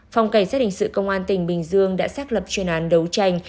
phòng cảnh sát hình sự công an tỉnh bình dương đã xác lập chuyên án đấu tranh